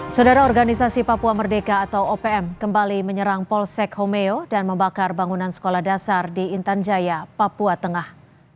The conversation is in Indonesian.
saudara organisasi papua merdeka atau opm kembali menyerang polsek homeo dan membakar bangunan sekolah dasar di intan jaya papua tengah